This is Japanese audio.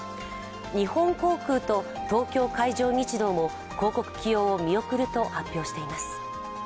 日本航空と東京海上日動も広告起用を見送ると発表しています。